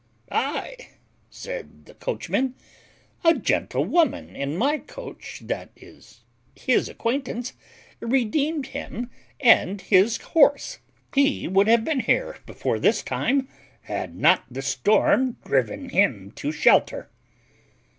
"Aye," said the coachman, "a gentlewoman in my coach that is his acquaintance redeemed him and his horse; he would have been here before this time, had not the storm driven him to shelter."